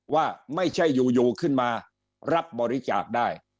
ว่าไม่ใช่อยู่ขึ้นมารับบริจาคได้